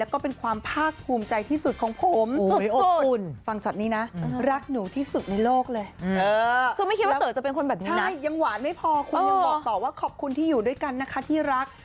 ขอบคุณที่อยู่ด้วยกันนะคะที่รัก